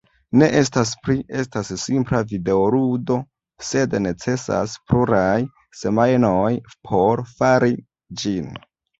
Ne estas pli, estas simpla videoludo, sed necesas pluraj semajnoj por fari ĝin.